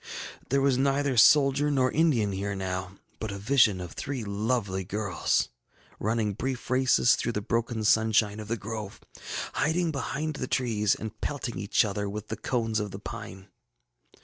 ŌĆ£There was neither soldier nor Indian here now, but a vision of three lovely girls, running brief races through the broken sunshine of the grove, hiding behind the trees, and pelting each other with the cones of the pine.